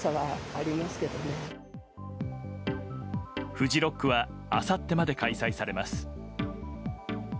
フジロックはあさってまで開催されます。